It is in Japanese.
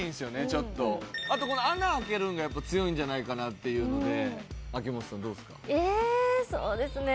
ちょっとあとこの穴開けるんがやっぱ強いんじゃないかっていうので秋元さんどうですか？